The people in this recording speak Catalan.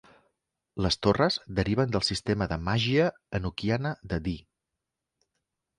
Les torres deriven del sistema de màgia enoquiana de Dee.